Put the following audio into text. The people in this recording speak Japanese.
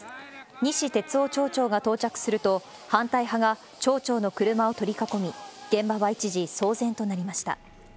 西哲夫町長が到着すると、反対派が町長の車を取り囲み、現場は一時、騒然となりました。